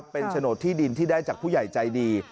เป็นโฉนดที่ดินที่ได้จากผู้ใหญ่ใจดี